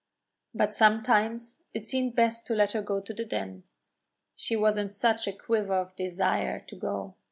But sometimes it seemed best to let her go to the Den, she was in such a quiver of desire to go.